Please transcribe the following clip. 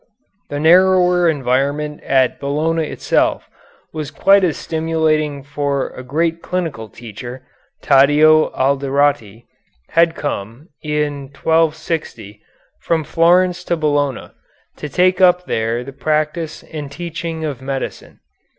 The narrower environment at Bologna itself was quite as stimulating, for a great clinical teacher, Taddeo Alderotti, had come, in 1260, from Florence to Bologna, to take up there the practice and teaching of medicine.